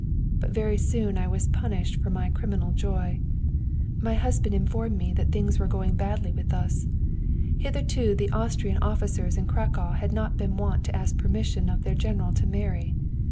But very soon I was punished for my criminal joy. My husband informed me that things were going badly with us. Hitherto the Austrian officers in Cracow had not been wont to ask the permission of their general to marry.